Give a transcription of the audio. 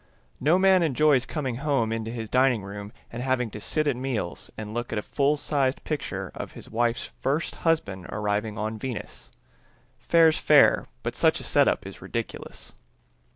No man enjoys coming into his dining room and having to sit at meals and look at a full sized picture of his wife's first husband arriving on Venus. Fair's fair, but such a set up is ridiculous.